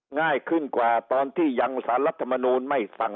ง่ายขึ้นกว่าตอนที่ยังสารรัฐมนูลไม่สั่ง